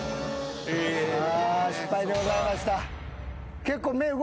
失敗でございました。